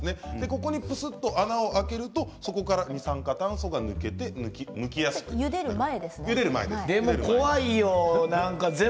ここに穴を開けるとそこから二酸化炭素が抜けてむきやすくなるということなんです。